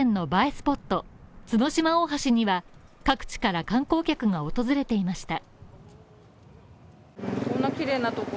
スポット、角島大橋には各地から観光客が訪れていました。